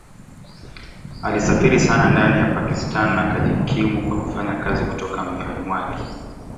Alisafiri sana ndani ya Pakistan na akajikimu kwa kufanya kazi kutoka Mianwali.